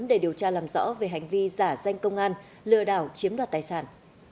để điều tra làm rõ về hành vi giả danh công an lừa đảo chiếm đoạt tài sản